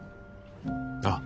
ああ。